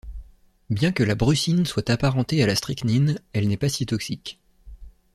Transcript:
Bien que la brucine soit apparentée à la strychnine, elle n'est pas si toxique.